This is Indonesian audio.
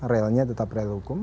relnya tetap rel hukum